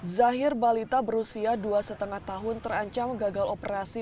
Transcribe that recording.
zahir balita berusia dua lima tahun terancam gagal operasi